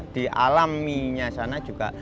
di alaminya sana juga